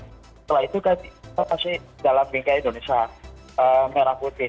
setelah itu kita pasti dalam bingkai indonesia merah putih